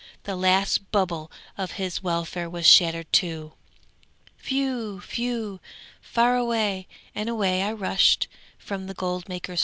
The last bubble of his welfare was shattered too. Whew! whew! fare away! and away I rushed from the goldmaker's home.